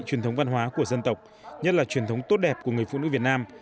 truyền thống văn hóa của dân tộc nhất là truyền thống tốt đẹp của người phụ nữ việt nam